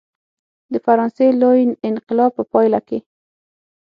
د فرانسې لوی انقلاب په پایله کې.